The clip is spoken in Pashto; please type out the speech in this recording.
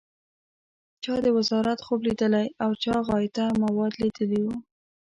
چا د وزارت خوب لیدلی او چا غایطه مواد لیدلي و.